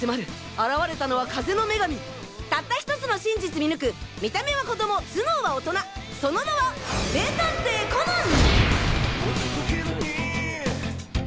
現れたのは風の女神たった１つの真実見抜く見た目は子供頭脳は大人その名は名探偵コナン！